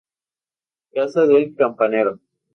Casa del campanero.